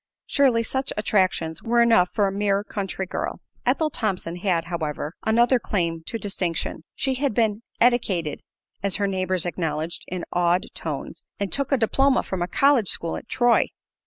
Surely, such attractions were enough for a mere country girl. Ethel Thompson had, however, another claim to distinction. She had been "eddicated," as her neighbors acknowledged in awed tones, and "took a diploma from a college school at Troy."